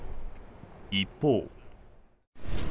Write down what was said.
一方。